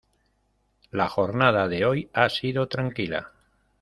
La jornada de hoy ha sido tranquila.